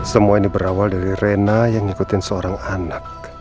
semua ini berawal dari rena yang ngikutin seorang anak